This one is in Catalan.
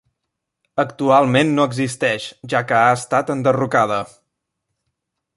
Actualment no existeix, ja que ha estat enderrocada.